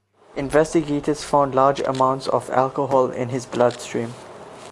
Investigators found large amounts of alcohol in his blood stream.